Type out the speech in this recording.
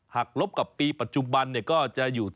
หากลบกับปีปัจจุบันนี้ก็จะอยู่